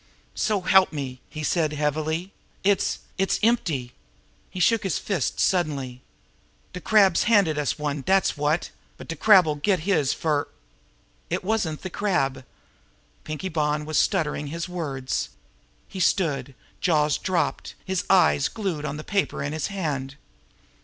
"So help me!" he said heavily. "It's it's empty." He shook his fist suddenly. "De Crab's handed us one, dat's wot! But de Crab'll get his fer " "It wasn't the Crab!" Pinkie Bonn was stuttering his words. He stood, jaws dropped, his eyes glued now on the paper in his hand.